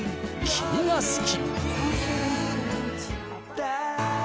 「君が好き」